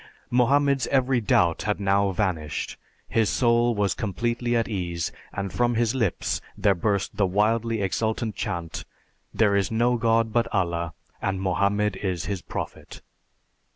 (Mohammed R. F. Dibble.) Mohammed's every doubt had now vanished, his soul was completely at ease, and from his lips there burst the wildly exultant chant, "There is no God but Allah and Mohammed is His Prophet."